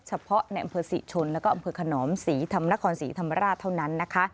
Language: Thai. เฉพาะในอำเภอศรีชนและอำเภอขนอมสีธรรมราชเท่านั้น